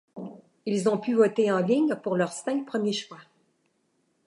Ils ont pu voter en ligne pour leurs cinq premiers choix.